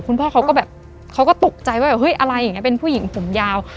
คุณพ่อเขาก็ตกใจว่าเฮ้ยอะไรอย่างนี้เป็นผู้หญิงผมยาว